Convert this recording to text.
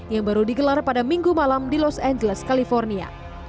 yang baru digelar pada minggu malam di los angeles california